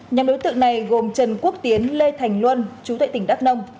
nhà đối tượng này gồm trần quốc tiến lê thành luân chú tệ tỉnh đắk nông